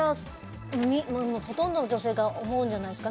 ほとんどの女性が思うんじゃないですか。